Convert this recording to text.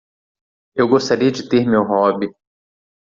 Eu gostaria de ter meu robe.